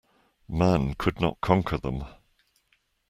Man could not conquer them.